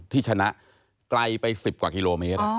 ที่ชนะไกลไป๑๐กว่ากิโลเมตร